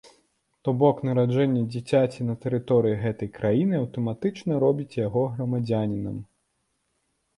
То бок нараджэнне дзіцяці на тэрыторыі гэтай краіны аўтаматычна робіць яго яе грамадзянінам.